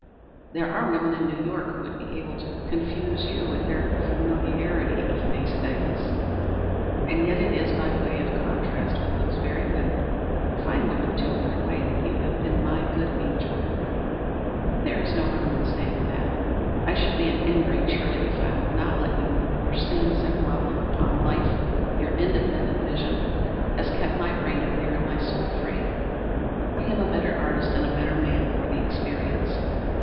There are women in New York who would be able to confuse you with their familiarity with these things. And yet it is by way of contrast with those very women fine women, too, in their way that you have been my good angel. There is no harm in saying that. I should be an ingrate, surely, if I would not let you know that your sane, simple outlook upon life, your independent vision, has kept my brain clear and my soul free. I am a better artist and a better man for the experience.